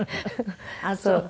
あっそう。